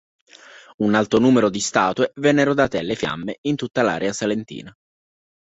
Un alto numero di statue vennero date alle fiamme in tutta l’area salentina.